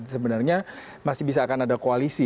sebenarnya masih bisa akan ada koalisi